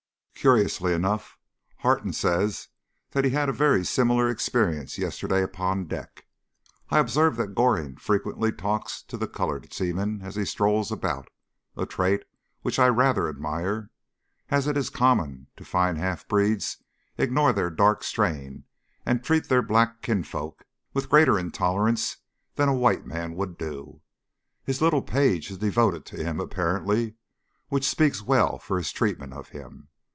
Curiously enough, Harton says that he had a very similar experience yesterday upon deck. I observe that Goring frequently talks to the coloured seamen as he strolls about a trait which I rather admire, as it is common to find half breeds ignore their dark strain and treat their black kinsfolk with greater intolerance than a white man would do. His little page is devoted to him, apparently, which speaks well for his treatment of him.